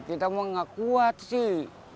kita mau ngekuat sih